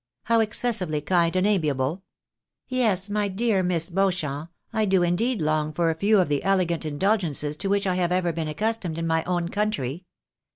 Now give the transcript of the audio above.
How excessively kind and amiable ! Yes, my dear Miss Beauchamp, I do indeed long for a few of the elegant indulgences to which I have ever been accustomed in my own country.